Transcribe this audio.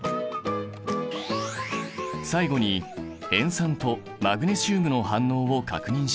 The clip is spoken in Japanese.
最後に塩酸とマグネシウムの反応を確認しよう。